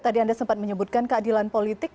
tadi anda sempat menyebutkan keadilan politik